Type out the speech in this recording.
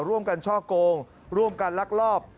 ร่วมกันช่อโกงร่วมกันลักลอบ